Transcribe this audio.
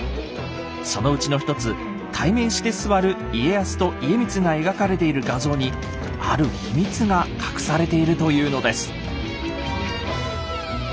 そのうちの一つ対面して座る家康と家光が描かれている画像にある秘密が隠されているというのです。